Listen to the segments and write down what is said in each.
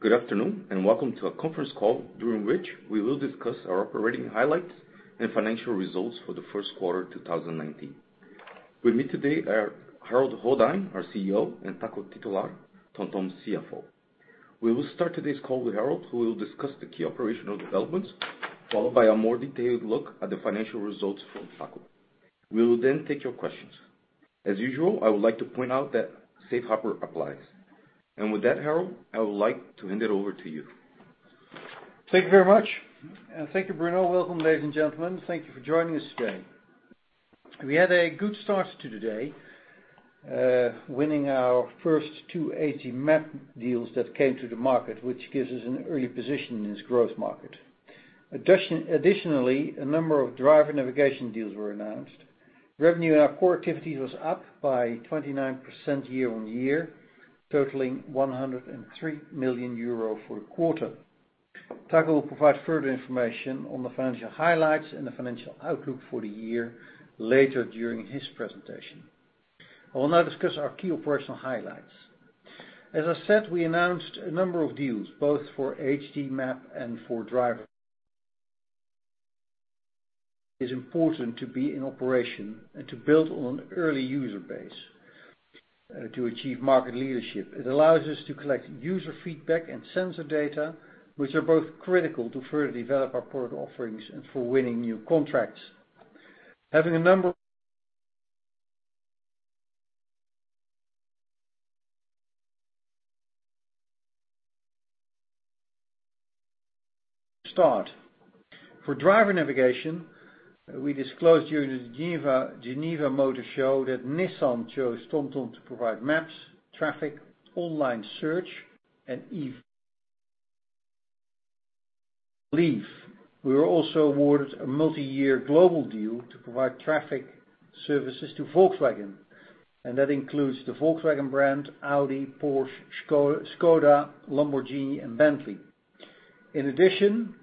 Good afternoon, and welcome to our conference call, during which we will discuss our operating highlights and financial results for the first quarter 2019. With me today are Harold Goddijn, our CEO, and Taco Titulaer, TomTom's CFO. We will start today's call with Harold, who will discuss the key operational developments, followed by a more detailed look at the financial results from Taco. We will take your questions. As usual, I would like to point out that safe harbor applies. With that, Harold, I would like to hand it over to you. Thank you very much. Thank you, Bruno. Welcome, ladies and gentlemen. Thank you for joining us today. We had a good start to today, winning our first two HD Map deals that came to the market, which gives us an early position in this growth market. Additionally, a number of driver navigation deals were announced. Revenue in our core activities was up by 29% year-on-year, totaling 103 million euro for the quarter. Taco will provide further information on the financial highlights and the financial outlook for the year later during his presentation. I will now discuss our key operational highlights. As I said, we announced a number of deals, both for HD Map and for driver is important to be in operation and to build on an early user base, to achieve market leadership. It allows us to collect user feedback and sensor data, which are both critical to further develop our product offerings and for winning new contracts. For driver navigation, we disclosed during the Geneva Motor Show that Nissan chose TomTom to provide maps, traffic, online search, and EV Service. We were also awarded a multi-year global deal to provide traffic services to Volkswagen, and that includes the Volkswagen brand, Audi, Porsche, Škoda, Lamborghini, and Bentley. In addition,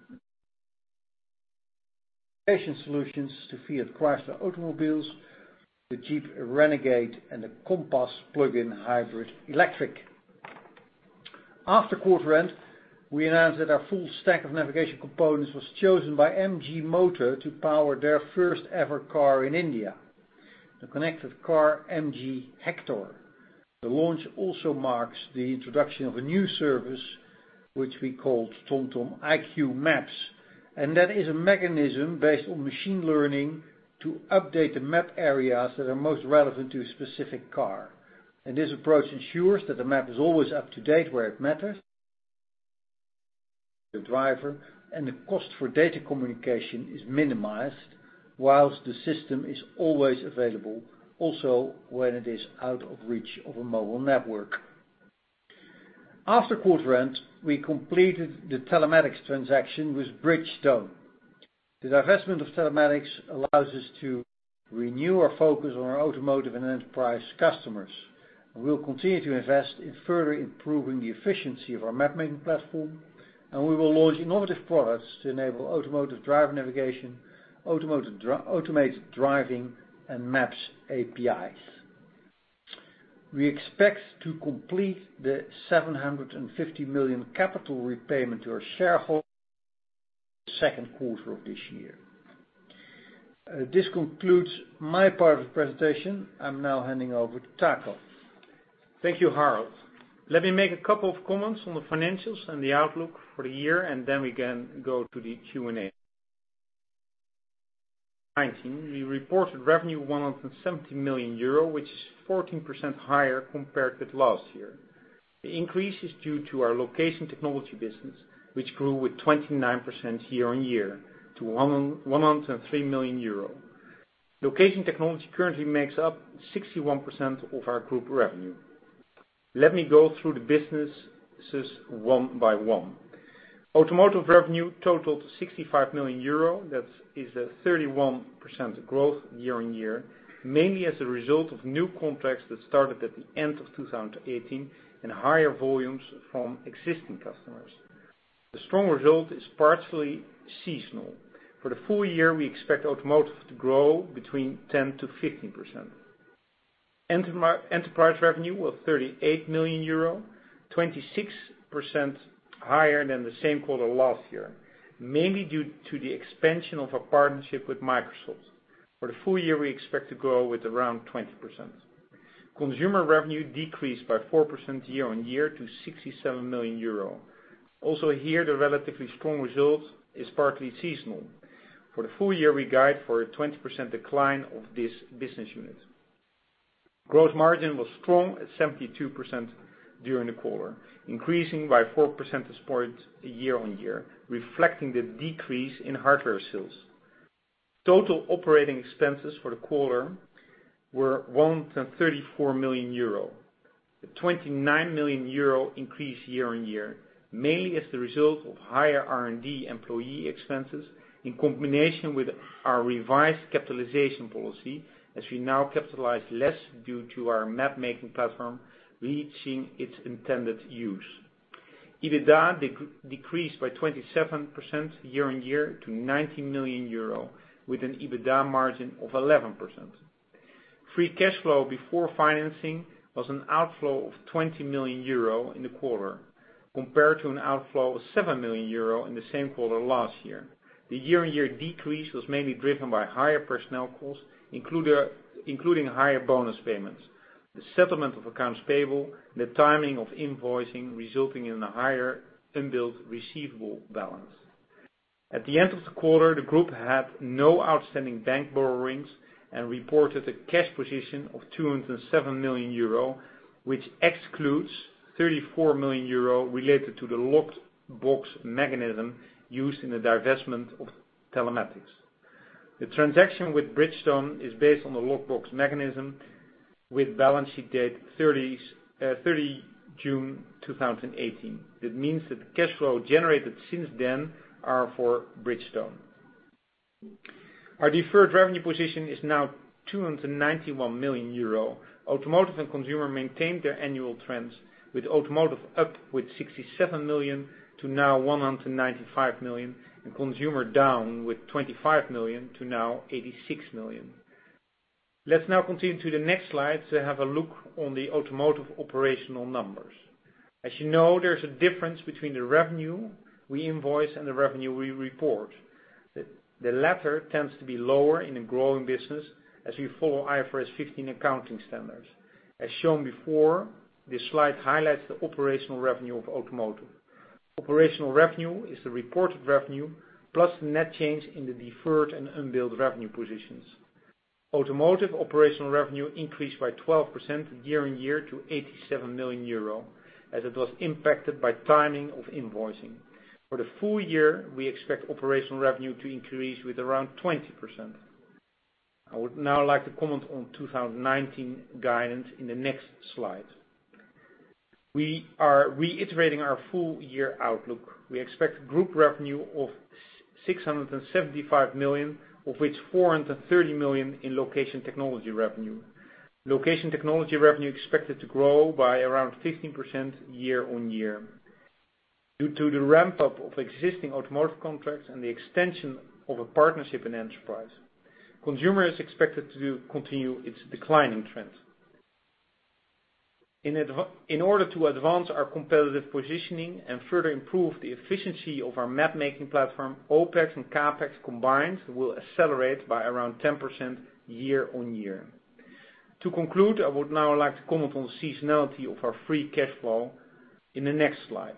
navigation solutions to Fiat Chrysler Automobiles, the Jeep Renegade, and the Compass plug-in hybrid electric. After quarter end, we announced that our full stack of navigation components was chosen by MG Motor to power their first ever car in India, the connected car MG Hector. The launch also marks the introduction of a new service, which we call TomTom IQ Maps, and that is a mechanism based on machine learning to update the map areas that are most relevant to a specific car. This approach ensures that the map is always up to date where it matters the driver, and the cost for data communication is minimized whilst the system is always available, also when it is out of reach of a mobile network. After quarter end, we completed the telematics transaction with Bridgestone. The divestment of telematics allows us to renew our focus on our automotive and Enterprise customers. We will continue to invest in further improving the efficiency of our map-making platform, and we will launch innovative products to enable automotive driver navigation, automated driving, and maps APIs. We expect to complete the 750 million capital repayment to our shareholder second quarter of this year. This concludes my part of the presentation. I am now handing over to Taco. Thank you, Harold. Let me make a couple of comments on the financials and the outlook for the year. Then we can go to the Q&A. 19, we reported revenue of 170 million euro, which is 14% higher compared with last year. The increase is due to our Location Technology business, which grew with 29% year-on-year to 103 million euro. Location Technology currently makes up 61% of our group revenue. Let me go through the businesses one by one. Automotive revenue totaled 65 million euro, that is a 31% growth year-on-year, mainly as a result of new contracts that started at the end of 2018 and higher volumes from existing customers. The strong result is partially seasonal. For the full year, we expect automotive to grow between 10%-15%. Enterprise revenue was 38 million euro, 26% higher than the same quarter last year, mainly due to the expansion of a partnership with Microsoft. For the full year, we expect to grow with around 20%. Consumer revenue decreased by 4% year-on-year to 67 million euro. Also here, the relatively strong result is partly seasonal. For the full year, we guide for a 20% decline of this business unit. Gross margin was strong at 72% during the quarter, increasing by 4% this point year-on-year, reflecting the decrease in hardware sales. Total operating expenses for the quarter were 134 million euro. A 29 million euro increase year-on-year, mainly as the result of higher R&D employee expenses in combination with our revised capitalization policy, as we now capitalize less due to our map-making platform reaching its intended use. EBITDA decreased by 27% year-on-year to 90 million euro, with an EBITDA margin of 11%. Free cash flow before financing was an outflow of 20 million euro in the quarter, compared to an outflow of 7 million euro in the same quarter last year. The year-on-year decrease was mainly driven by higher personnel costs, including higher bonus payments, the settlement of accounts payable, the timing of invoicing resulting in a higher unbilled receivable balance. At the end of the quarter, the group had no outstanding bank borrowings and reported a cash position of 207 million euro, which excludes 34 million euro related to the locked box mechanism used in the divestment of Telematics. The transaction with Bridgestone is based on the locked box mechanism with balance sheet date 30 June 2018. That means that the cash flow generated since then are for Bridgestone. Our deferred revenue position is now 291 million euro. Automotive and Consumer maintained their annual trends, with Automotive up with 67 million to now 195 million, and Consumer down with 25 million to now 86 million. Let's now continue to the next slide to have a look on the Automotive operational numbers. As you know, there's a difference between the revenue we invoice and the revenue we report. The latter tends to be lower in a growing business as we follow IFRS 15 accounting standards. As shown before, this slide highlights the operational revenue of Automotive. Operational revenue is the reported revenue plus the net change in the deferred and unbilled revenue positions. Automotive operational revenue increased by 12% year-on-year to 87 million euro, as it was impacted by timing of invoicing. For the full year, we expect operational revenue to increase with around 20%. I would now like to comment on 2019 guidance in the next slide. We are reiterating our full-year outlook. We expect group revenue of 675 million, of which 430 million in Location Technology revenue. Location Technology revenue expected to grow by around 15% year-on-year due to the ramp-up of existing Automotive contracts and the extension of a partnership in Enterprise. Consumer is expected to continue its declining trend. In order to advance our competitive positioning and further improve the efficiency of our mapmaking platform, OpEx and CapEx combined will accelerate by around 10% year-on-year. To conclude, I would now like to comment on seasonality of our free cash flow in the next slide.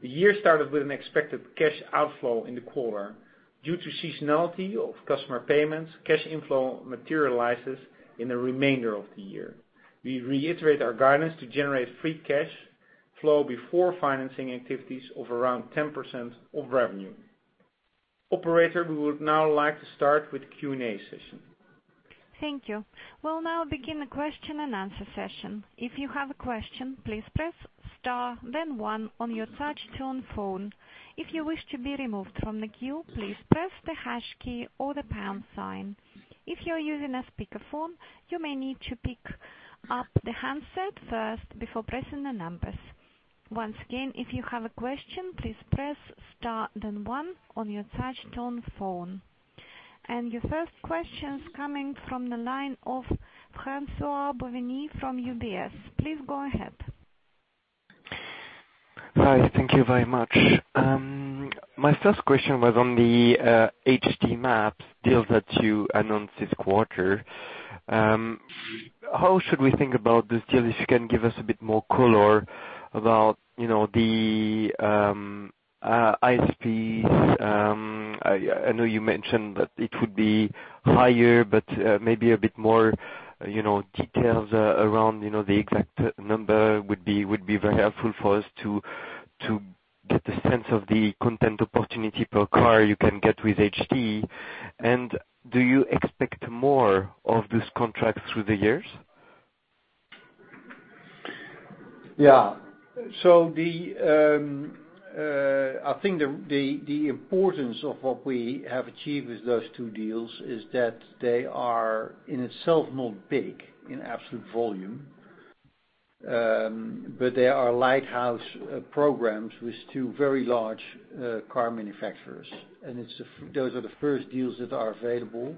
The year started with an expected cash outflow in the quarter. Due to seasonality of customer payments, cash inflow materializes in the remainder of the year. We reiterate our guidance to generate free cash flow before financing activities of around 10% of revenue. Operator, we would now like to start with the Q&A session. Thank you. We'll now begin the question and answer session. If you have a question, please press star then one on your touch tone phone. If you wish to be removed from the queue, please press the hash key or the pound sign. If you are using a speakerphone, you may need to pick up the handset first before pressing the numbers. Once again, if you have a question, please press star then one on your touch tone phone. Your first question is coming from the line of François-Xavier Bouvignies from UBS. Please go ahead. Hi. Thank you very much. My first question was on the HD Map deal that you announced this quarter. How should we think about this deal? If you can give us a bit more color about the ASPs. I know you mentioned that it would be higher, maybe a bit more details around the exact number would be very helpful for us to get the sense of the content opportunity per car you can get with HD. Do you expect more of this contract through the years? Yeah. I think the importance of what we have achieved with those two deals is that they are in itself not big in absolute volume, but they are lighthouse programs with two very large car manufacturers. Those are the first deals that are available,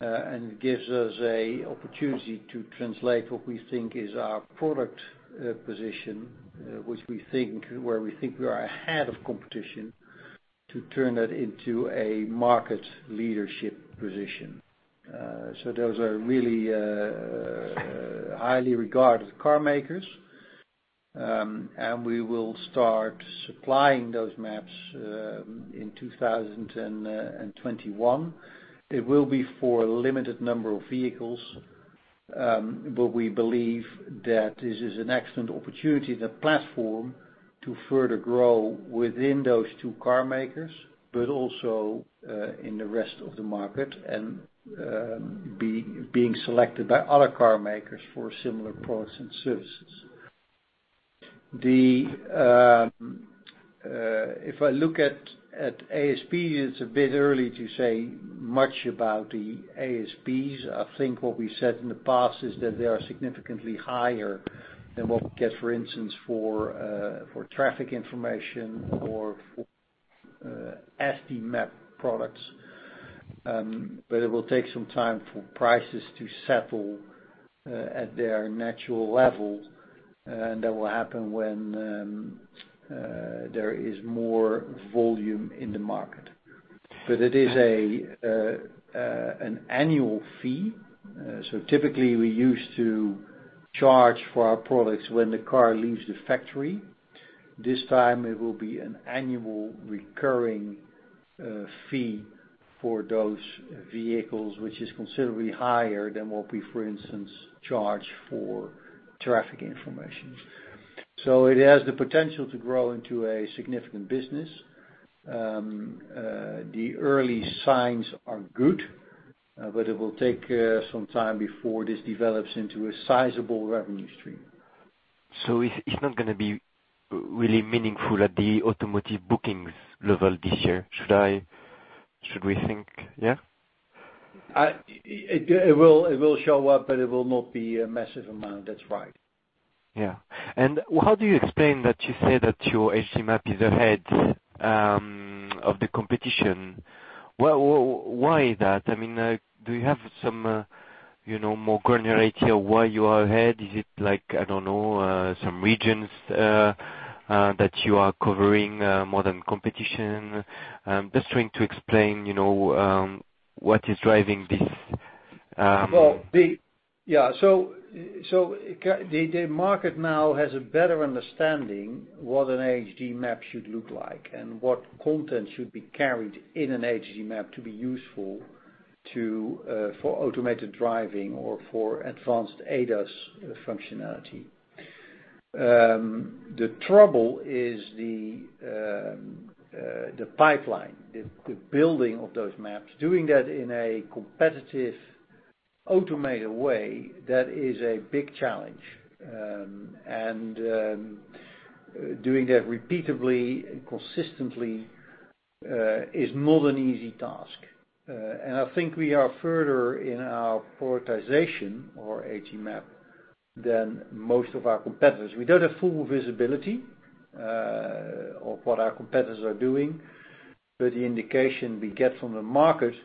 and it gives us an opportunity to translate what we think is our product position, where we think we are ahead of competition, to turn that into a market leadership position. Those are really highly regarded car makers. We will start supplying those maps in 2021. It will be for a limited number of vehicles. We believe that this is an excellent opportunity as a platform to further grow within those two car makers, but also in the rest of the market and being selected by other car makers for similar products and services. If I look at ASPs, it's a bit early to say much about the ASPs. I think what we said in the past is that they are significantly higher than what we get, for instance, for traffic information or for- SD Map products. It will take some time for prices to settle at their natural level, and that will happen when there is more volume in the market. It is an annual fee. Typically, we used to charge for our products when the car leaves the factory. This time it will be an annual recurring fee for those vehicles, which is considerably higher than what we, for instance, charge for traffic information. It has the potential to grow into a significant business. The early signs are good, but it will take some time before this develops into a sizable revenue stream. It's not going to be really meaningful at the automotive bookings level this year. Should we think, yeah? It will show up, but it will not be a massive amount. That's right. Yeah. How do you explain that you say that your HD Map is ahead of the competition? Why is that? Do you have some more granular idea why you are ahead? Is it like, I don't know, some regions that you are covering more than competition? Just trying to explain, what is driving this. The market now has a better understanding what an HD Map should look like and what content should be carried in an HD Map to be useful for automated driving or for advanced ADAS functionality. The trouble is the pipeline, the building of those maps. Doing that in a competitive, automated way, that is a big challenge. Doing that repeatably, consistently, is not an easy task. I think we are further in our prioritization or HD Map than most of our competitors. We don't have full visibility of what our competitors are doing, but the indication we get from the market is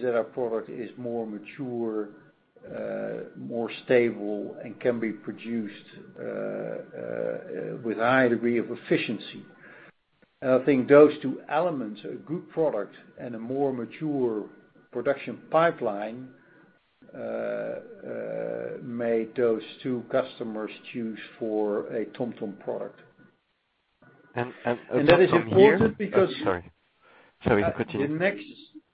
that our product is more mature, more stable, and can be produced with a higher degree of efficiency. I think those two elements are a good product and a more mature production pipeline made those two customers choose for a TomTom product. TomTom here. That is important because. Sorry. Continue.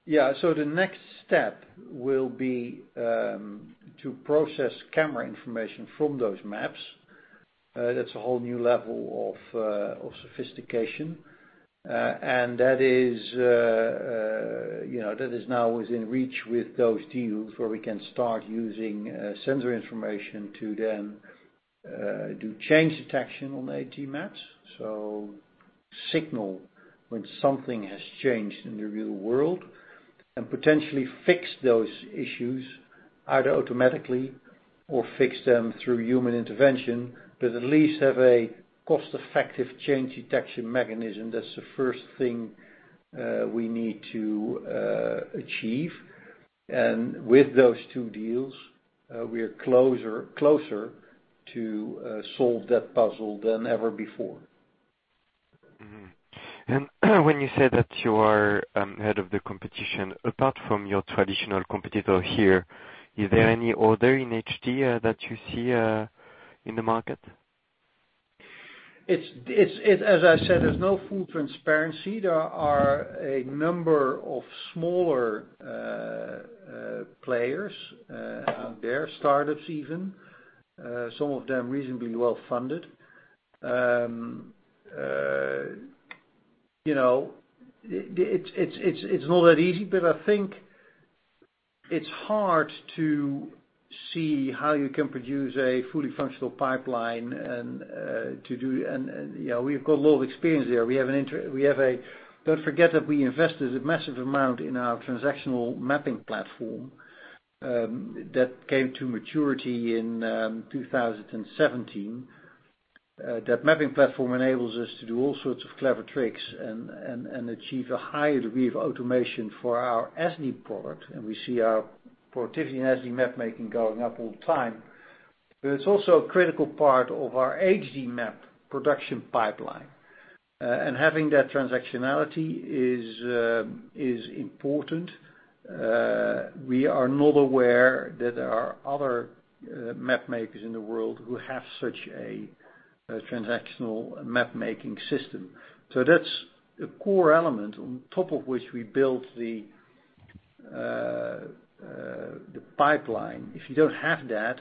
The next step will be to process camera information from those maps. That's a whole new level of sophistication. That is now within reach with those deals where we can start using sensor information to then do change detection on HD Maps. Signal when something has changed in the real world and potentially fix those issues either automatically or fix them through human intervention, but at least have a cost-effective change detection mechanism. That's the first thing we need to achieve. With those two deals, we are closer to solve that puzzle than ever before. Mm-hmm. When you say that you are ahead of the competition, apart from your traditional competitor here, is there any other in HD that you see in the market? As I said, there's no full transparency. There are a number of smaller players. They're startups even, some of them reasonably well-funded. It's not that easy, but I think it's hard to see how you can produce a fully functional pipeline. We've got a lot of experience there. Don't forget that we invested a massive amount in our transactional mapping platform that came to maturity in 2017. That mapping platform enables us to do all sorts of clever tricks and achieve a higher degree of automation for our SD product. We see our productivity in SD Map-making going up all the time. It's also a critical part of our HD Map production pipeline. Having that transactionality is important. We are not aware that there are other map makers in the world who have such a transactional map-making system. That's a core element on top of which we built the pipeline. If you don't have that,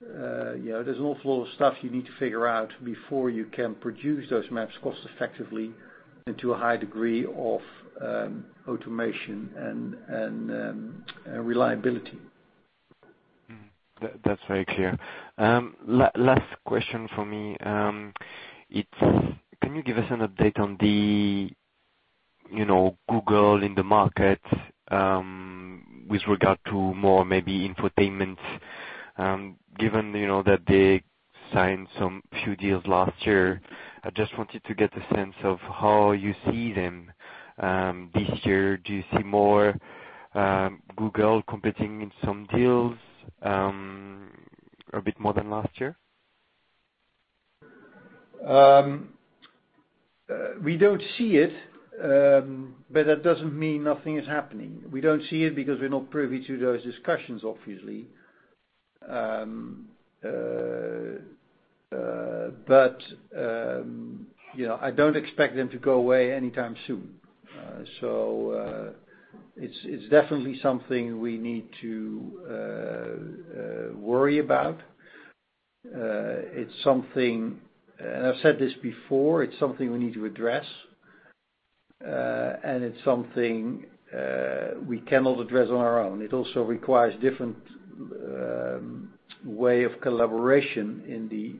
there's an awful lot of stuff you need to figure out before you can produce those maps cost-effectively into a high degree of automation and reliability. That's very clear. Last question from me. Can you give us an update on the Google in the market, with regard to more maybe infotainment. Given that they signed some few deals last year, I just wanted to get the sense of how you see them this year. Do you see more Google competing in some deals a bit more than last year? We don't see it, that doesn't mean nothing is happening. We don't see it because we're not privy to those discussions, obviously. I don't expect them to go away anytime soon. It's definitely something we need to worry about. I've said this before, it's something we need to address, and it's something we cannot address on our own. It also requires different way of collaboration in the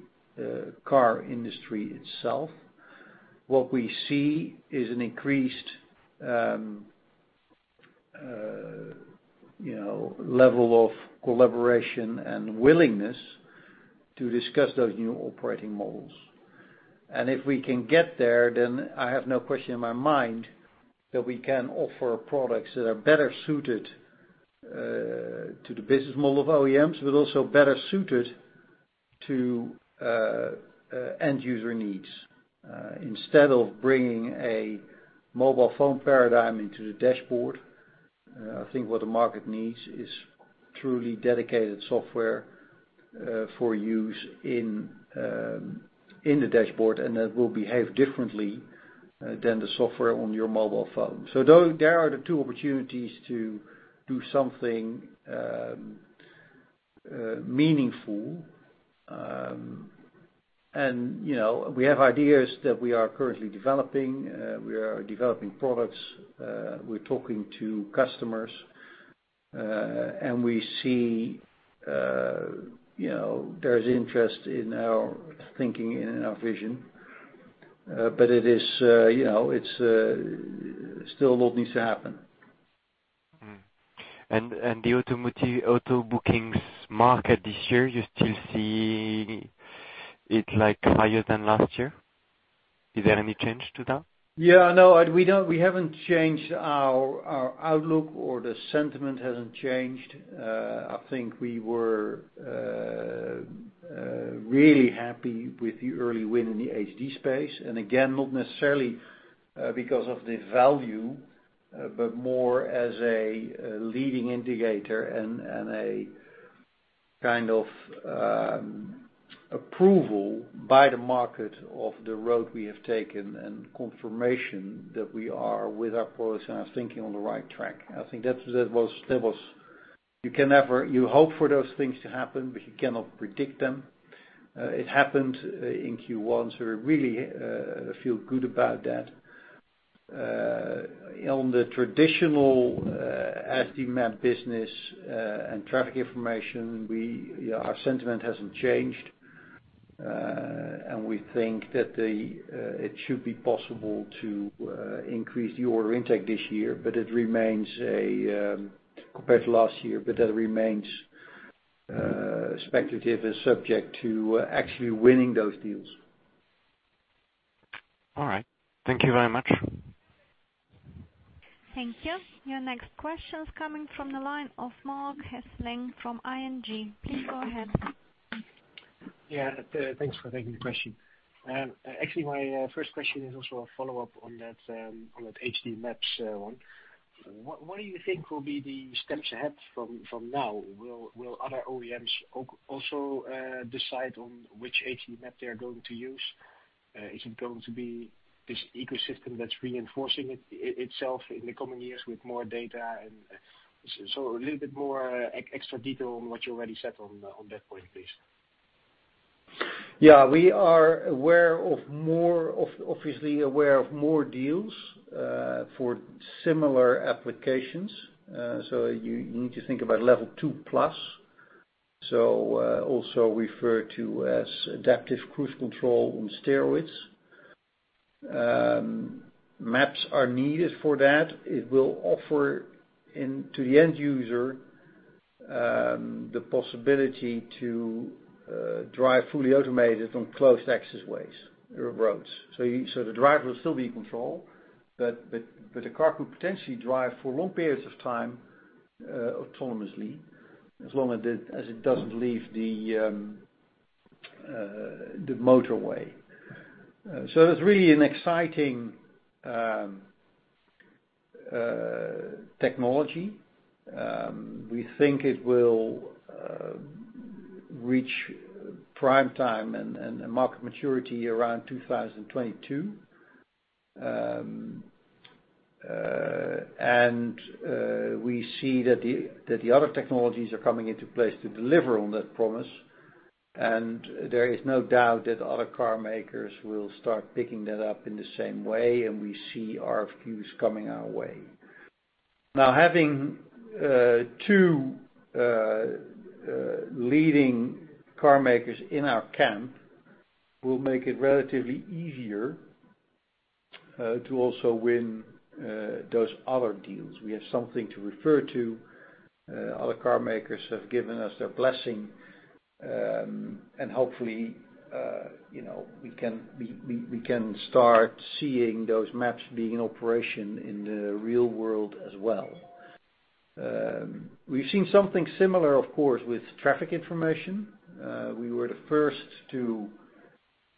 car industry itself. What we see is an increased level of collaboration and willingness to discuss those new operating models. If we can get there, then I have no question in my mind that we can offer products that are better suited to the business model of OEMs, but also better suited to end user needs. Instead of bringing a mobile phone paradigm into the dashboard, I think what the market needs is truly dedicated software, for use in the dashboard, and that will behave differently than the software on your mobile phone. There are the two opportunities to do something meaningful. We have ideas that we are currently developing. We are developing products, we're talking to customers, and we see there is interest in our thinking and in our vision. Still a lot needs to happen. The auto bookings market this year, you still see it like higher than last year? Is there any change to that? Yeah, no, we haven't changed our outlook or the sentiment hasn't changed. I think we were really happy with the early win in the HD space. Again, not necessarily because of the value, but more as a leading indicator and a kind of approval by the market of the road we have taken, and confirmation that we are, with our products and our thinking, on the right track. I think you hope for those things to happen, but you cannot predict them. It happened in Q1, we really feel good about that. On the traditional SD Map business, and traffic information, our sentiment hasn't changed. We think that it should be possible to increase the order intake this year compared to last year, but that remains speculative and subject to actually winning those deals. All right. Thank you very much. Thank you. Your next question is coming from the line of Marc Hesselink from ING. Please go ahead. Thanks for taking the question. Actually, my first question is also a follow-up on that HD Maps one. What do you think will be the steps ahead from now? Will other OEMs also decide on which HD Map they are going to use? Is it going to be this ecosystem that's reinforcing itself in the coming years with more data? A little bit more extra detail on what you already said on that point, please. We are obviously aware of more deals for similar applications. You need to think about Level 2+. Also referred to as adaptive cruise control on steroids. Maps are needed for that. It will offer to the end user, the possibility to drive fully automated on closed access ways or roads. The driver will still be in control, but the car could potentially drive for long periods of time autonomously, as long as it doesn't leave the motorway. That's really an exciting technology. We think it will reach prime time and market maturity around 2022. We see that the other technologies are coming into place to deliver on that promise. There is no doubt that other car makers will start picking that up in the same way, and we see RFQs coming our way. Having two leading car makers in our camp will make it relatively easier to also win those other deals. We have something to refer to. Other car makers have given us their blessing, and hopefully we can start seeing those maps being in operation in the real world as well. We've seen something similar, of course, with traffic information. We were the first to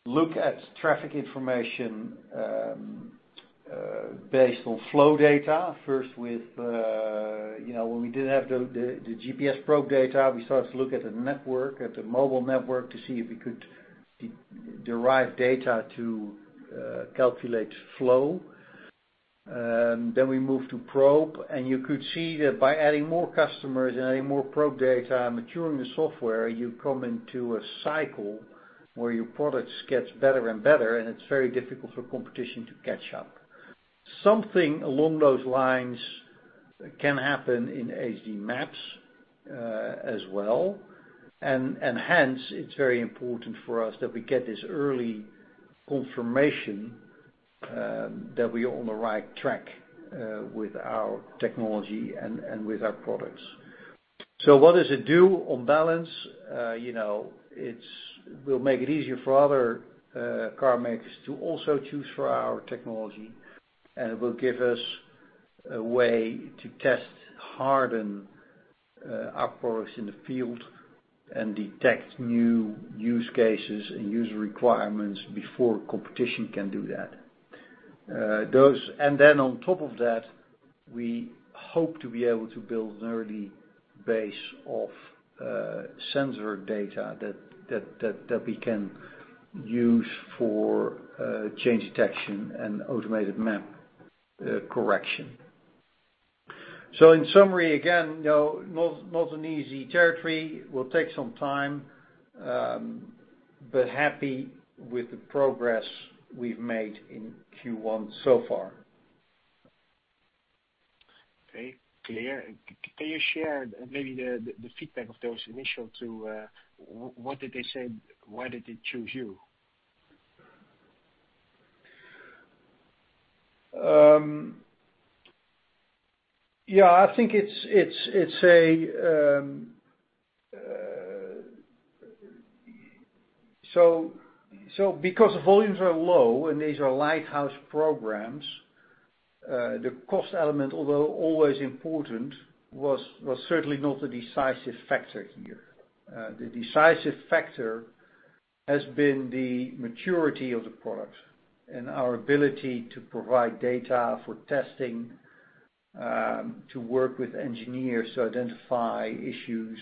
look at traffic information based on flow data. First, when we didn't have the GPS probe data, we started to look at the network, at the mobile network, to see if we could derive data to calculate flow. We moved to probe, and you could see that by adding more customers and adding more probe data and maturing the software, you come into a cycle where your products gets better and better, and it's very difficult for competition to catch up. Something along those lines can happen in HD Maps as well. Hence, it's very important for us that we get this early confirmation that we are on the right track with our technology and with our products. What does it do on balance? It will make it easier for other car makers to also choose our technology, and it will give us a way to test harden our products in the field and detect new use cases and user requirements before competition can do that. On top of that, we hope to be able to build an early base of sensor data that we can use for change detection and automated map correction. In summary, again, not an easy territory. Will take some time. Happy with the progress we've made in Q1 so far. Clear. Can you share maybe the feedback of those initial two? What did they say? Why did they choose you? Because volumes are low and these are lighthouse programs, the cost element, although always important, was certainly not a decisive factor here. The decisive factor has been the maturity of the product and our ability to provide data for testing, to work with engineers to identify issues,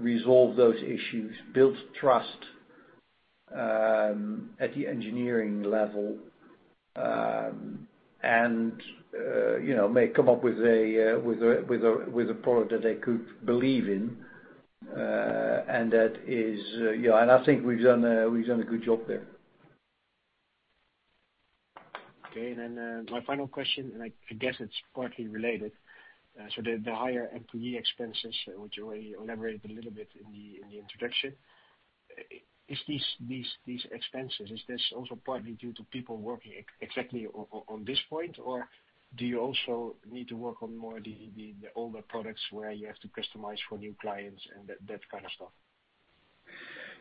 resolve those issues, build trust at the engineering level, and may come up with a product that they could believe in. I think we've done a good job there. Okay, my final question, I guess it's partly related. The higher employee expenses, which you already elaborated a little bit in the introduction. Is these expenses, is this also partly due to people working exactly on this point? Or do you also need to work on more of the older products where you have to customize for new clients and that kind of stuff?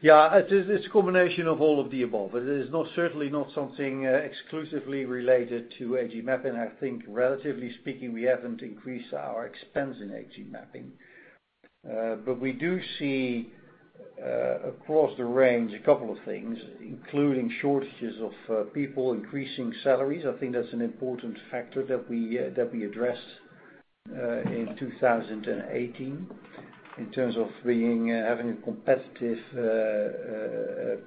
Yeah. It's a combination of all of the above. It is certainly not something exclusively related to HD Map, I think relatively speaking, we haven't increased our expense in HD Mapping. We do see, across the range, a couple of things, including shortages of people, increasing salaries. I think that's an important factor that we addressed in 2018 in terms of having a competitive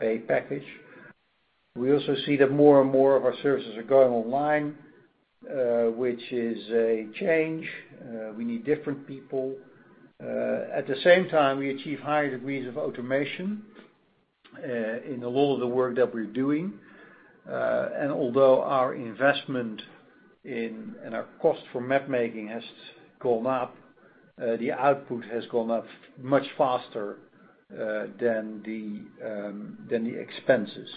pay package. We also see that more and more of our services are going online, which is a change. We need different people. At the same time, we achieve higher degrees of automation in a lot of the work that we're doing. Although our investment and our cost for mapmaking has gone up, the output has gone up much faster than the expenses.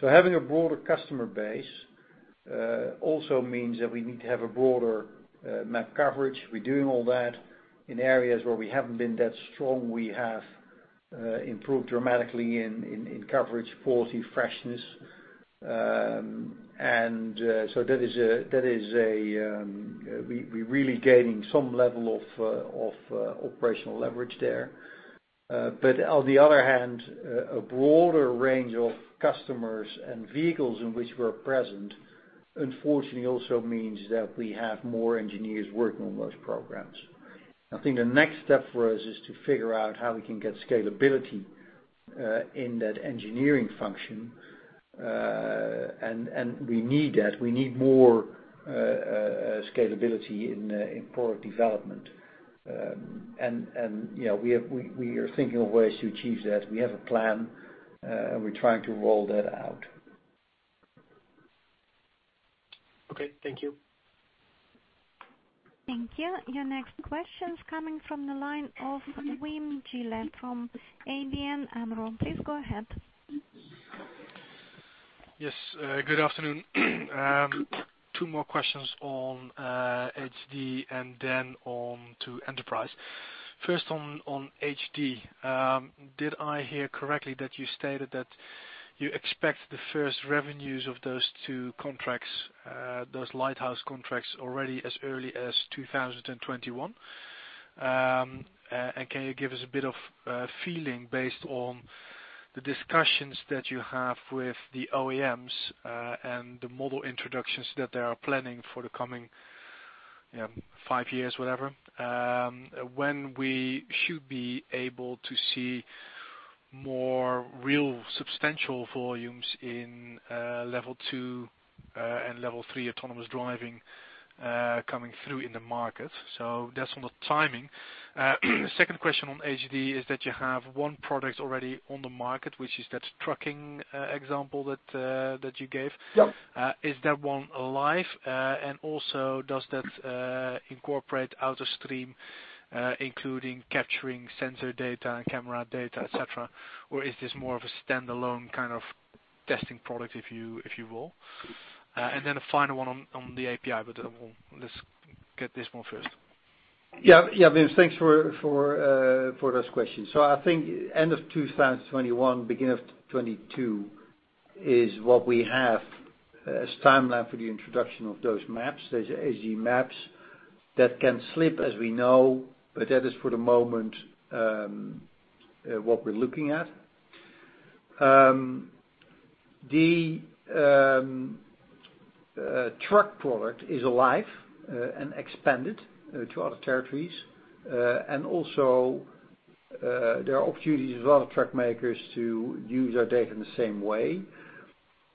Having a broader customer base also means that we need to have a broader map coverage. We're doing all that. In areas where we haven't been that strong, we have improved dramatically in coverage quality, freshness. We're really gaining some level of operational leverage there. On the other hand, a broader range of customers and vehicles in which we're present, unfortunately also means that we have more engineers working on those programs. I think the next step for us is to figure out how we can get scalability in that engineering function. We need that. We need more scalability in product development. We are thinking of ways to achieve that. We have a plan, and we're trying to roll that out. Okay. Thank you. Thank you. Your next question's coming from the line of Wim Gille from ABN AMRO. Please go ahead. Yes, good afternoon. Two more questions on HD and then on to Enterprise. First, on HD. Did I hear correctly that you stated that you expect the first revenues of those two contracts, those lighthouse contracts, already as early as 2021? Can you give us a bit of a feeling, based on the discussions that you have with the OEMs and the model introductions that they are planning for the coming five years, whatever, when we should be able to see more real substantial volumes in Level 2 and Level 3 autonomous driving coming through in the market? That's on the timing. Second question on HD is that you have one product already on the market, which is that trucking example that you gave. Yep. Is that one live? Also does that incorporate AutoStream, including capturing sensor data and camera data, et cetera, or is this more of a standalone kind of testing product, if you will? Then a final one on the API, let's get this one first. Wim, thanks for those questions. I think end of 2021, beginning of 2022 is what we have as timeline for the introduction of those maps, those HD Maps. That can slip, as we know, but that is, for the moment, what we're looking at. The truck product is live and expanded to other territories. Also, there are opportunities with other truck makers to use our data in the same way.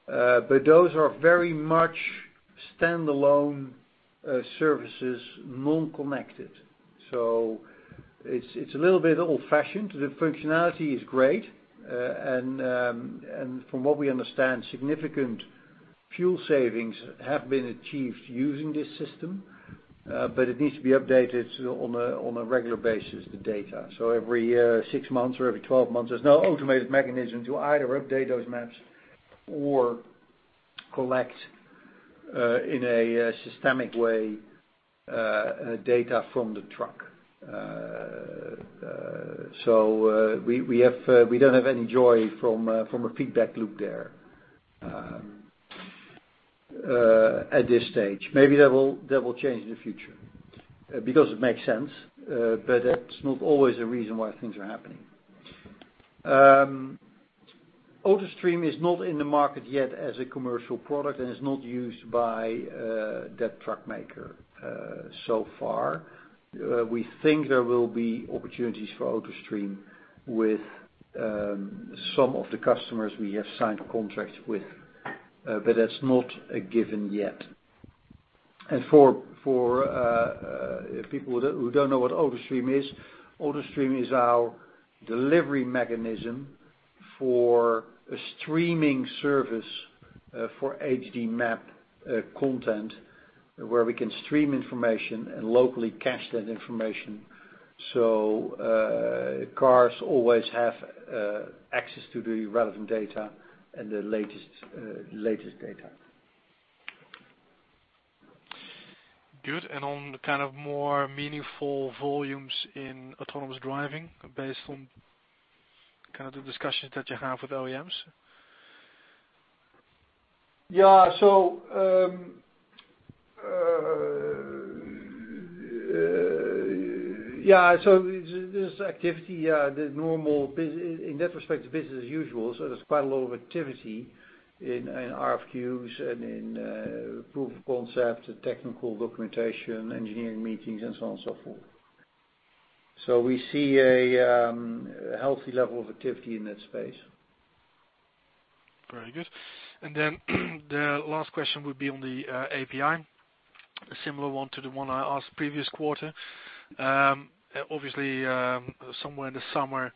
Those are very much standalone services, non-connected. It's a little bit old-fashioned. The functionality is great, and from what we understand, significant fuel savings have been achieved using this system, but it needs to be updated on a regular basis, the data. Every six months or every 12 months, there's no automated mechanism to either update those maps or collect, in a systemic way, data from the truck. We don't have any joy from a feedback loop there at this stage. Maybe that will change in the future because it makes sense, but that's not always the reason why things are happening. AutoStream is not in the market yet as a commercial product, and it's not used by that truck maker so far. We think there will be opportunities for AutoStream with some of the customers we have signed contracts with, but that's not a given yet. For people who don't know what AutoStream is, AutoStream is our delivery mechanism for a streaming service for HD Map content, where we can stream information and locally cache that information. Cars always have access to the relevant data and the latest data. Good. On the more meaningful volumes in autonomous driving based on the discussions that you have with OEMs? There's activity. In that respect, it's business as usual. There's quite a lot of activity in RFQs and in proof of concept, technical documentation, engineering meetings, and so on and so forth. We see a healthy level of activity in that space. Very good. The last question would be on the API. A similar one to the one I asked previous quarter. Obviously, somewhere in the summer,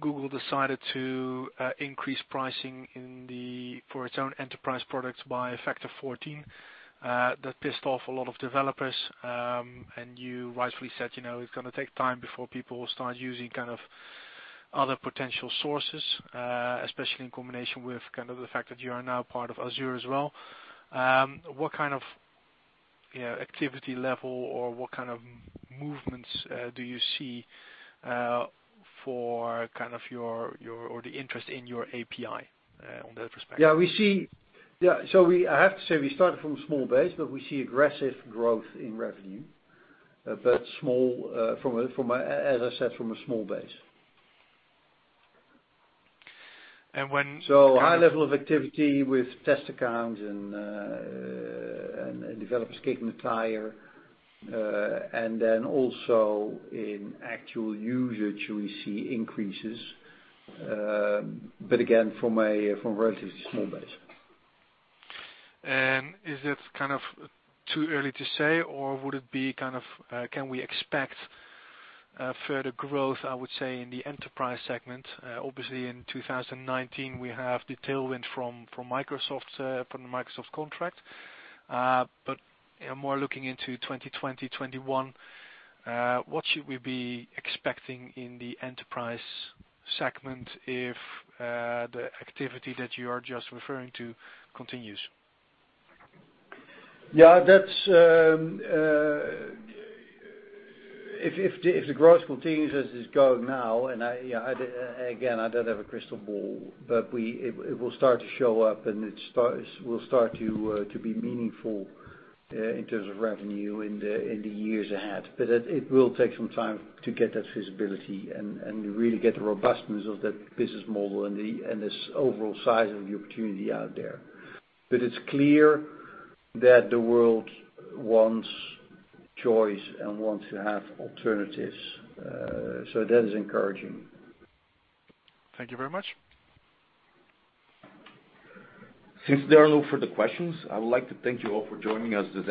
Google decided to increase pricing for its own Enterprise products by a factor of 14. That pissed off a lot of developers. You rightfully said, it's going to take time before people will start using other potential sources, especially in combination with the fact that you are now part of Azure as well. What kind of activity level or what kind of movements do you see or the interest in your API on that perspective? Yeah. I have to say, we started from a small base, but we see aggressive growth in revenue. As I said, from a small base. when- High level of activity with test accounts and developers kicking the tire, also in actual usage, we see increases. Again, from a relatively small base. Is it too early to say or can we expect further growth, I would say, in the Enterprise segment? Obviously, in 2019, we have the tailwind from the Microsoft contract. More looking into 2020, 2021, what should we be expecting in the Enterprise segment if the activity that you are just referring to continues? If the growth continues as it's going now, and again, I don't have a crystal ball, but it will start to show up and it will start to be meaningful in terms of revenue in the years ahead. It will take some time to get that visibility and really get the robustness of that business model and this overall size of the opportunity out there. It's clear that the world wants choice and wants to have alternatives. That is encouraging. Thank you very much. Since there are no further questions, I would like to thank you all for joining us today